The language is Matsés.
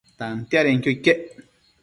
Tantiadenquio iquec